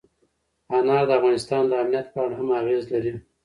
انار د افغانستان د امنیت په اړه هم اغېز لري.